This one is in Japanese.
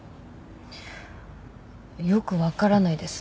よくわからないです